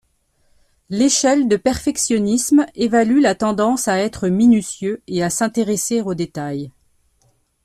L'échelle de perfectionnisme évalue la tendance à être minutieux et à s’intéresser aux détails.